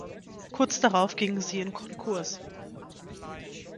Kurz darauf gingen sie in Konkurs.